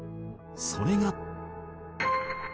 それが